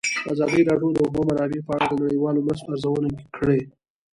ازادي راډیو د د اوبو منابع په اړه د نړیوالو مرستو ارزونه کړې.